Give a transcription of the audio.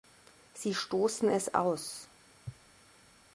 Sie stoßen es aus.